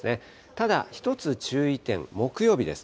ただ１つ、注意点、木曜日です。